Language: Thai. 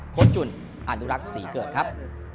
ค้นจุ่นอันตุรักษ์สีเกิดครับ